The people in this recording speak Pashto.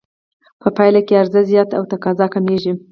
په پایله کې عرضه زیاته او تقاضا کمېږي